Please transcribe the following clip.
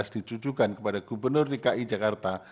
dijujukan kepada gubernur dki jakarta